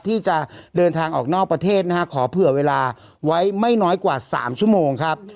ที่จะเดินทางออกนอกประเทศนะฮะขอเผื่อเวลาไว้ไม่น้อยกว่า๓ชั่วโมงครับ